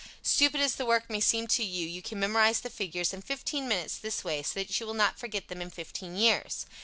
Stupid as the work may seem to you, you can memorize the figures in fifteen minutes this way so that you will not forget them in fifteen years.